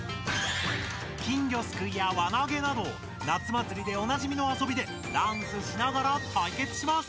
金魚すくいや輪なげなど夏祭りでおなじみのあそびでダンスしながら対決します！